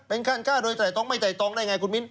เป็นขั้นฆ่าโดยไตรตรองไม่ไตรตรองได้อย่างไรคุณมิ้น